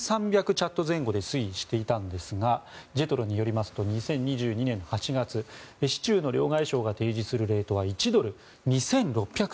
チャット前後で推移していたんですがＪＥＴＲＯによりますと２０２２年８月市中の両替商が提示するレートは１ドル＝２６００